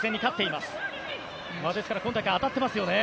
ですから今大会当たっていますよね。